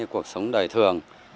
cuộc sống đời thường